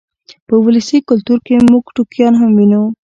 په ولسي کلتور کې موږ ټوکیان هم وینو.